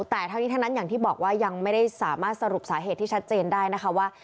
แต่ทั้งนี้ทั้งนั้นอย่างที่บอกว่ายังไม่ได้สามารถสรุปสาเหตุที่ชัดเจนได้นะคะว่า